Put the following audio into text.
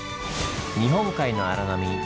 日本海の荒波。